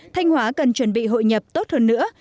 thanh hóa cần chuẩn bị hội nhập tốt hơn nữa